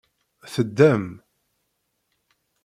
Teddam.